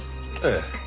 ええ。